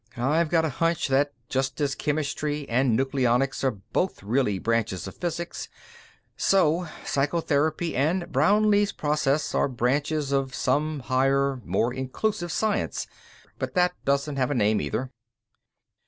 "I've got a hunch that, just as chemistry and nucleonics are both really branches of physics, so psychotherapy and Brownlee's process are branches of some higher, more inclusive science but that doesn't have a name, either."